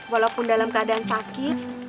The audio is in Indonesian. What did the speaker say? walaupun dalam keadaan sakit